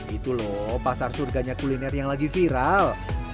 itu loh pasar surganya kuliner yang lagi viral